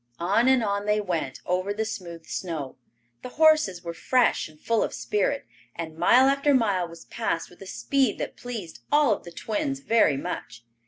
On and on they went, over the smooth snow. The horses were fresh and full of spirit, and mile after mile was passed with a speed that pleased all of the twins very much.